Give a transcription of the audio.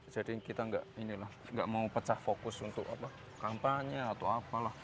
jadi kita nggak mau pecah fokus untuk kampanye atau apalah